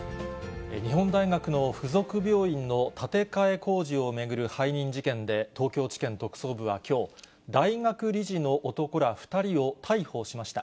日本大学の付属病院の建て替え工事を巡る背任事件で、東京地検特捜部はきょう、大学理事の男ら２人を逮捕しました。